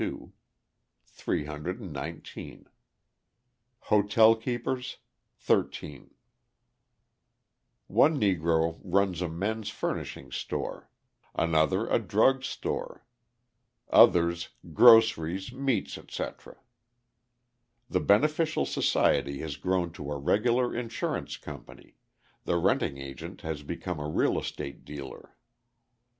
319 Hotel keepers 13 One Negro runs a men's furnishing store; another, a drug store; others, groceries, meats, etc. The beneficial society has grown to a regular insurance company, the renting agent has become a real estate dealer.